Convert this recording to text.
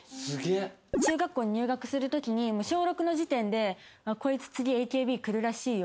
中学校入学するときに小６の時点で「こいつ次ＡＫＢ来るらしいよ！」